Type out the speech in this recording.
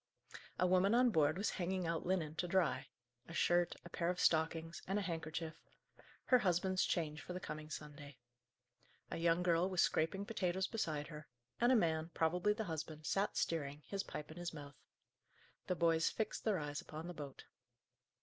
A woman on board was hanging out linen to dry a shirt, a pair of stockings, and a handkerchief her husband's change for the coming Sunday. A young girl was scraping potatoes beside her; and a man, probably the husband, sat steering, his pipe in his mouth. The boys fixed their eyes upon the boat.